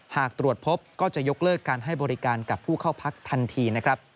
หากตรวจพบก็จะยกเลิกการให้บริการกับผู้เข้าพักทันทีนะครับ